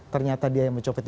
ternyata dia yang mencopot